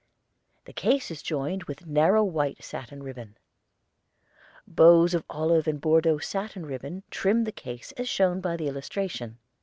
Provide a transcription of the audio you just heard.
The case is joined with narrow white satin ribbon. Bows of olive and Bordeaux satin ribbon trim the case as shown by the illustration.